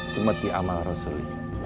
kematian malah rasul